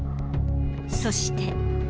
そして。